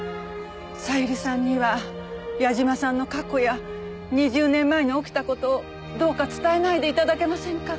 小百合さんには矢嶋さんの過去や２０年前に起きた事をどうか伝えないで頂けませんか？